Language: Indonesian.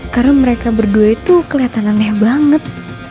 karena mereka berdua itu keliatan aneh banget